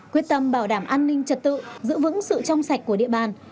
quyết tâm bảo đảm an ninh trật tự giữ vững sự trong sạch của địa bàn